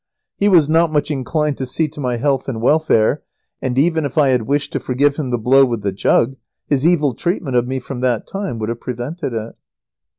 He was not much inclined to see to my health and welfare, and even if I had wished to forgive him the blow with the jug, his evil treatment of me from that time would have prevented it.